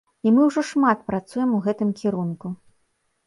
І мы ўжо шмат працуем у гэтым кірунку.